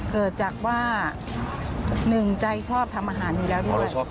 เกิดจากว่าหนึ่งใจชอบทำอาหารอยู่แล้วด้วย